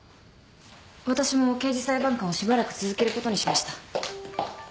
私も刑事裁判官をしばらく続けることにしました。